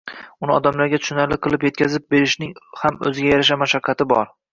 uni odamlarga tushunarli qilib yetkazib berishning ham o‘ziga yarasha mashaqqati bor.